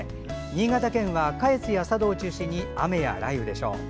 新潟県は下越や佐渡を中心に雨や雷雨でしょう。